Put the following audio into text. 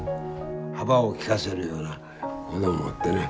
幅を利かせるような者もおってね